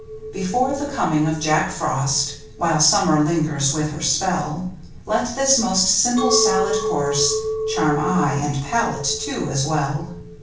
Before the coming of Jack Frost, While summer lingers with her spell, Let this most simple salad course Charm eye, and palate, too, as well.